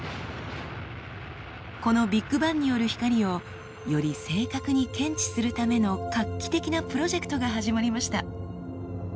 このビッグバンによる光をより正確に検知するための画期的なプロジェクトが始まりました。